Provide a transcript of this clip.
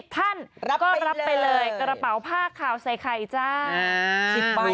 ๑๐ท่านก็รับไปเลยกระเป๋าผ้าข่าวใส่ไข่จ้ารับไปเลย